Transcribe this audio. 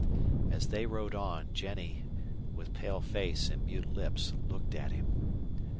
As they rode on, Jennie, with pale face and mute lips, looked at him.